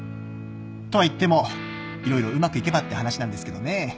とはいっても色々うまくいけばって話なんですけどね